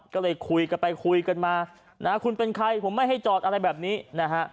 ก็เลยคุยกันไปคุยกันมานะคุณเป็นใครผมไม่ให้จอดอะไรแบบนี้นะฮะ